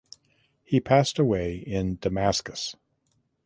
He passed away in Damascus.